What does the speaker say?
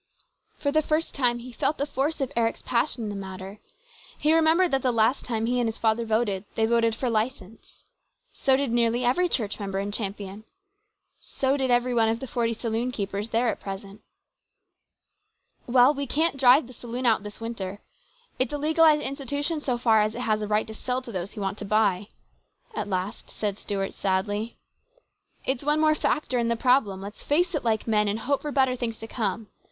For the first time he felt the force of Eric's passion in the matter. He remembered that the last time he and his father voted they voted for license. So did nearly every church member in Champion. So did every one of the forty saloon keepers there at present. " Well, we can't drive the saloon out this winter. It's a legalised institution so far as it has a right to sell to those who want to buy," at last Stuart said sadly. " It's one more factor in the problem. Let's face it like men, and hope for better things to come.